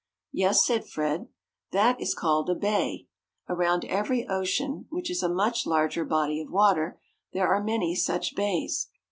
"Yes," said Fred. "That is called a bay. Around every ocean, which is a much larger body of water, there are many such bays.